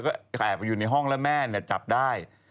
ก็แอบไปอยู่ในห้องแล้วแม่จับได้